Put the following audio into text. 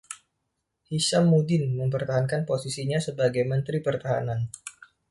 Hishammuddin mempertahankan posisinya sebagai menteri pertahanan.